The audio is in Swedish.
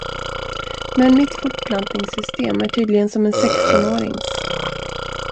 Men mitt fortplantningssystem är tydligen som en sextonårings.